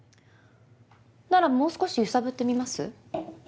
ならもう少し揺さぶってみます？